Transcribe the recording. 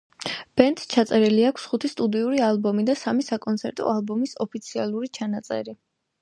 ბენდს ჩაწერილი აქვს ხუთი სტუდიური ალბომი და სამი საკონცერტო ალბომის ოფიციალური ჩანაწერი.